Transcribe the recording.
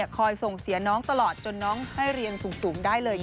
ส่งเสียน้องตลอดจนน้องให้เรียนสูงได้เลย